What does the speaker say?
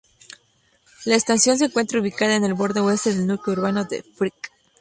La estación se encuentra ubicada en el borde oeste del núcleo urbano de Frick.